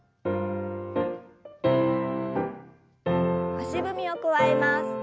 足踏みを加えます。